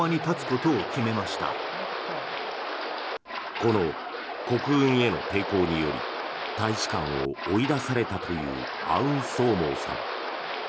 この国軍への抵抗により大使館を追い出されたというアウンソーモーさん。